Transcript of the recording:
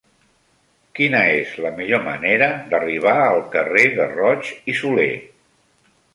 Quina és la millor manera d'arribar al carrer de Roig i Solé?